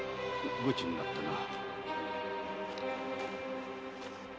御馳になったな。